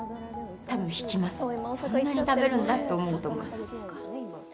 そんなに食べるんだって思うと思います。